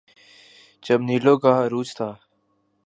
جب نیلو کا عروج تھا۔